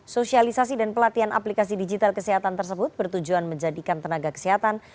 sosialisasi dan pelatihan aplikasi digital kesehatan tersebut bertujuan menjadikan tenaga kesehatan